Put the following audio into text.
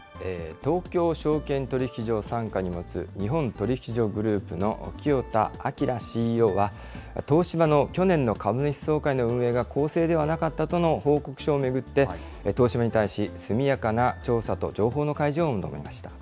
東京証券取引所を傘下に持つ日本取引所グループの清田瞭ＣＥＯは、東芝の去年の株主総会の運営が公正ではなかったとの報告書を巡って、東芝に対し、速やかな調査と情報の開示を求めました。